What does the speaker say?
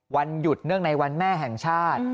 วันหยุดเนื่องในวันแม่แห่งชาติ